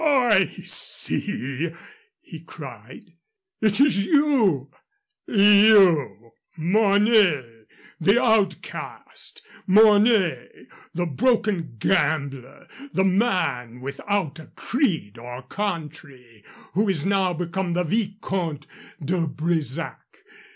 "I see!" he cried. "It is you you, Mornay, the outcast Mornay, the broken gambler, the man without a creed or country, who is now become the Vicomte de Bresac.